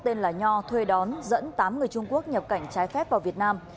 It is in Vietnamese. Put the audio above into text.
tên là nho thuê đón dẫn tám người trung quốc nhập cảnh trái phép vào việt nam